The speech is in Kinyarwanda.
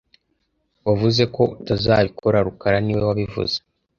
Wavuze ko utazabikora rukara niwe wabivuze